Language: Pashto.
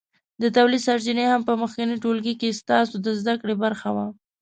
د تولید سرچینې هم په مخکېني ټولګي کې ستاسو د زده کړې برخه وه.